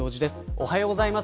おはようございます。